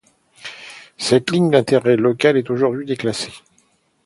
Cette ligne d'intérêt local est aujourd'hui déclassée.